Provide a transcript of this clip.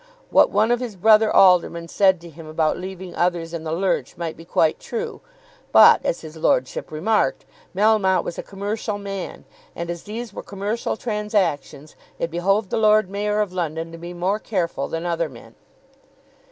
What one of his brother aldermen said to him about leaving others in the lurch might be quite true; but, as his lordship remarked, Melmotte was a commercial man, and as these were commercial transactions it behoved the Lord Mayor of London to be more careful than other men.